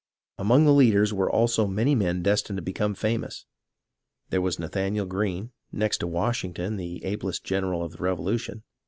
Among the leaders were also many men destined to become famous. There was Nathanael Greene, next to Washington the ablest general of the Revolution.